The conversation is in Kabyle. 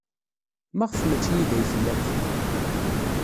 Maɣef maci yid-i ay tellamt?